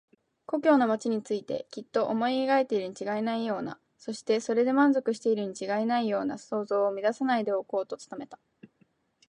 故郷の町についてきっと思い描いているにちがいないような、そしてそれで満足しているにちがいないような想像を乱さないでおこうと努めた。